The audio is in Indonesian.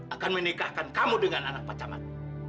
akan menikahkan kamu dengan anak pak camat